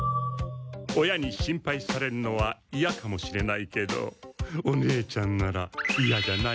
親に心配されるのはイヤかもしれないけどお姉ちゃんならイヤじゃないわよね？